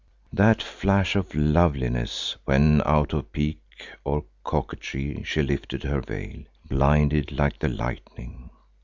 That flash of loveliness when out of pique or coquetry she lifted her veil, blinded like the lightning.